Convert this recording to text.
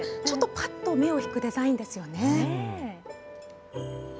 ちょっとぱっと目を引くデザインですよね。